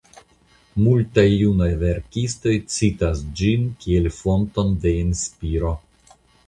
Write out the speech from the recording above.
Multaj junaj verkistoj citas ĝin kiel fonton de inspiro.